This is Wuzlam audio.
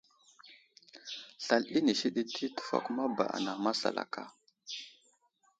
Slal inisi ɗi təfakuma ba anaŋ masalaka tsəhed.